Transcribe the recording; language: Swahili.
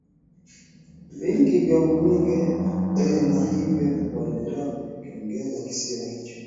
vingi vya ubunge na hivyo kuendelea kukiongoza kisiwa hicho